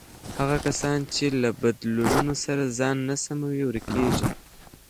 هغه کسان چې له بدلونونو سره ځان نه سموي، ورکېږي.